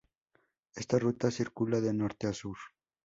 Esta ruta circula de norte a sur.